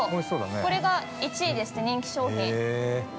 これが１位ですって、人気商品。